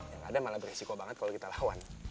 yang ada malah beresiko banget kalau kita lawan